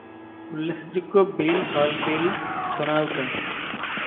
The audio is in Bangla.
উল্লেখযোগ্য বিল হল বিল ছোনাউটা।